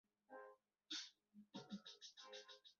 跑去买冰淇淋